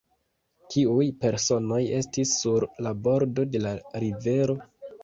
Kiuj personoj estis sur la bordo de la rivero?